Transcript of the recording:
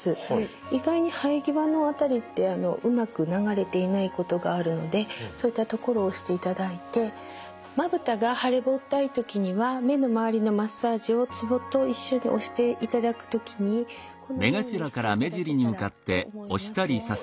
意外に生え際の辺りってうまく流れていないことがあるのでそういったところを押していただいてまぶたが腫れぼったい時には目の周りのマッサージをツボと一緒に押していただく時にこのようにしていただけたらと思います。